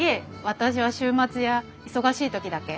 私は週末や忙しい時だけ。